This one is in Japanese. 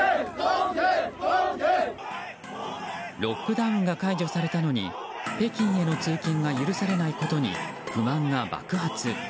ロックダウンが解除されたのに北京への通勤が許されないことに不満が爆発。